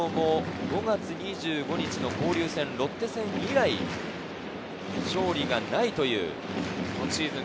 遠藤も５月２５日の交流戦、ロッテ戦以来、勝利がないという今シーズン